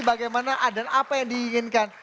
bagaimana dan apa yang diinginkan